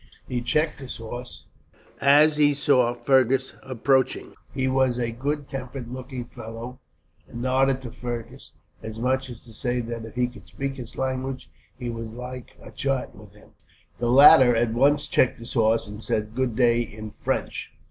He checked his horse, as he saw Fergus approaching. He was a good tempered looking fellow, and nodded to Fergus as much as to say that, if he could speak his language, he should like a chat with him. The latter at once checked his horse, and said good day, in French.